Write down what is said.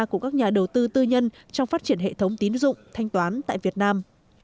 của các nhà đầu tư tư nhân trong phát triển hệ thống tín dụng thanh toán tại việt nam